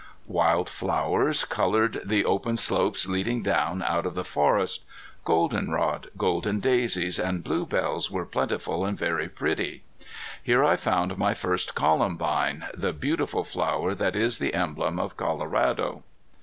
Wild flowers colored the open slopes leading down out of the forest. Golden rod, golden daisies, and bluebells were plentiful and very pretty. Here I found my first columbine, the beautiful flower that is the emblem of Colorado.